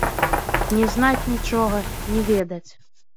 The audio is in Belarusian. Не знаць нічога, не ведаць.